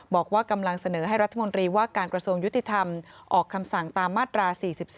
บอกว่ากำลังเสนอให้รัฐมนตรีว่าการกระทรวงยุติธรรมออกคำสั่งตามมาตรา๔๔